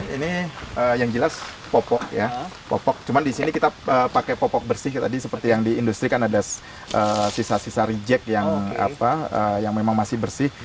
ini yang jelas popok ya popok cuman disini kita pakai popok bersih tadi seperti yang di industri kan ada sisa sisa reject yang memang masih bersih